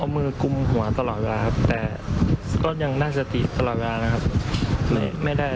เพราะว่าเขาก็เน้นที่ศีรษะผมฮะ